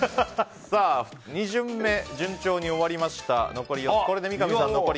２巡目、順調に終わりました。